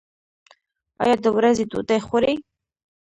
ایا د ورځې ډوډۍ خورئ؟